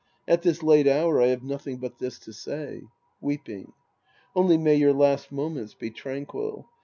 At tliis late hour, I have nothing but this to say. {Weeping.) Only, may your last moments be tranquil.